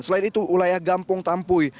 selain itu wilayah gampung tampuy